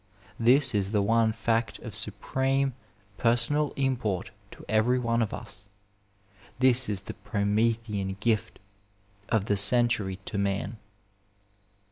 This is the one fact of supreme personal import to every one of us. This is the Promethean gift of the century to man.